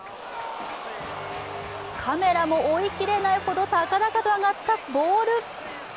カメラも追い切れないほど高々と上がったボール。